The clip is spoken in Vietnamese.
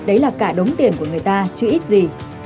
đấy là cả đống tiền của người ta chưa ít gì